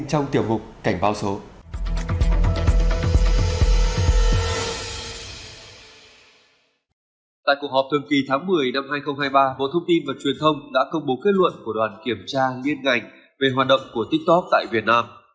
tại cuộc họp thường kỳ tháng một mươi năm hai nghìn hai mươi ba bộ thông tin và truyền thông đã công bố kết luận của đoàn kiểm tra liên ngành về hoạt động của tiktok tại việt nam